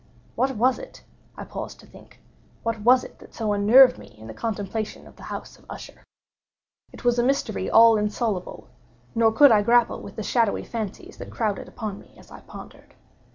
What was it—I paused to think—what was it that so unnerved me in the contemplation of the House of Usher? It was a mystery all insoluble; nor could I grapple with the shadowy fancies that crowded upon me as I pondered.